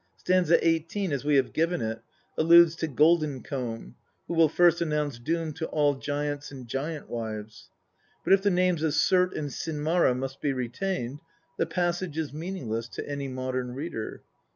St. 18, as we have given it, alludes to Golden comb, who will first announce Doom to all giants and giant wives ; but if the names of Surt and Sinmara must be retained, the passage is meaningless to any modern reader.